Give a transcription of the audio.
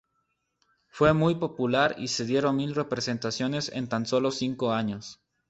Fue muy popular y se dieron mil representaciones en tan solo cinco años.